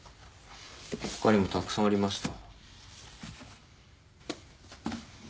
他にもたくさんありました。